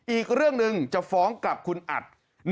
อีกเรื่องหนึ่งจะฟ้องกับคุณอัด